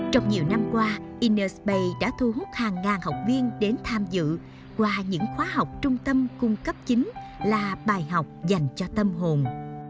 trong nhiều năm qua inner space đã thu hút hàng ngàn học viên đến tham dự qua những khóa học trung tâm cung cấp chính là bài học dành cho tâm hồn